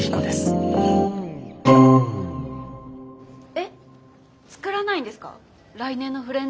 えっ作らないんですか来年のフレンズカレンダー。